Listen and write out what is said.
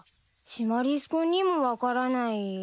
シマリス君にも分からない？